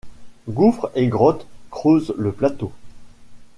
Gouffres et grottes creusent le plateau.